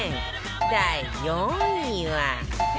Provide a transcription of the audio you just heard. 第４位は